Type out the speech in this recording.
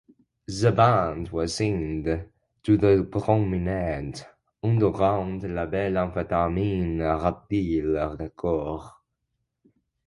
The band was signed to the prominent underground label Amphetamine Reptile Records.